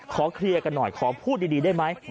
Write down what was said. ขอเคลียร์กันหน่อยขอพูดดีได้ไหม